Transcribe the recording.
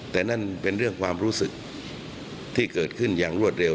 แต่นั่นเป็นเรื่องความรู้สึกที่เกิดขึ้นอย่างรวดเร็ว